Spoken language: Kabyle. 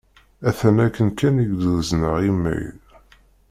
Atan akken kan i k-d-uzneɣ imayl.